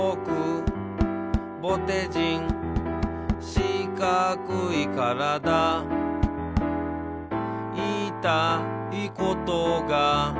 「しかくいからだ」「いいたいことが」